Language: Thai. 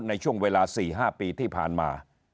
ในช่วงเวลา๔๕ปีที่ผ่านมา